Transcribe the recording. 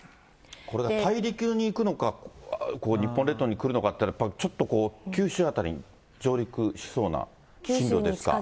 これが大陸に行くのか、日本列島に来るのかっていうのは、やっぱりちょっと、九州辺りに上陸しそうな進路ですか。